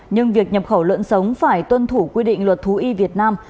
nhưng việc nhập khẩu lợn sống phải tuân thủ quy định luật thú y việt nam